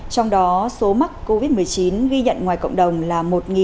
trong đó số mắc covid một mươi chín ghi nhận ngoài cộng đồng là một năm mươi bảy